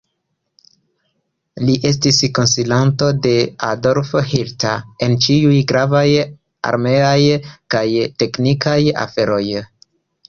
Li estis konsilanto de Adolf Hitler en ĉiuj gravaj armeaj kaj teknikaj aferoj.